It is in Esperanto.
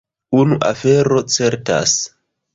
Unu afero certas.